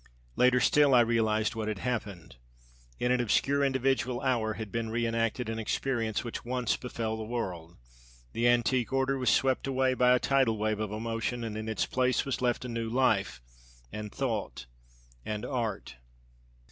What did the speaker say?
Later still I realized what had happened. In an obscure individual hour had been reënacted an experience which once befell the world. The antique order was swept away by a tidal wave of emotion, and in its place was left a new life and thought and art.